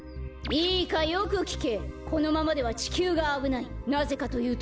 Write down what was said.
いいかよくきけ！